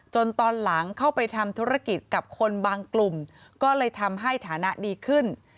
ตอนหลังเข้าไปทำธุรกิจกับคนบางกลุ่มก็เลยทำให้ฐานะดีขึ้น